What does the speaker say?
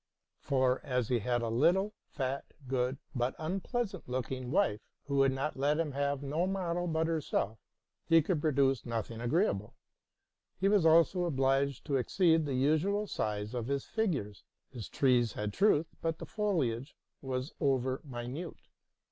For as he had a little, fat, good, but unpleasant looking, wife, who would let him have no model but herself, he could produce nothing agreeable. He was also obliged to exceed the usual size of his figures. His trees had truth, but the foliage was over minute.